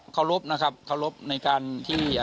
เคารพนะครับเคารพในการที่